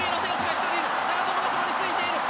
長友が後ろについている。